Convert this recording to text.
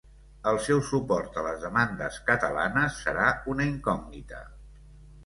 El seu suport a les demandes catalanes serà una incògnita.